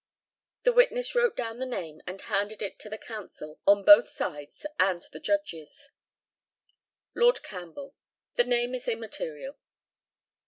(The witness wrote down the name and handed it to the counsel on both sides and the Judges). Lord CAMPBELL: The name is immaterial.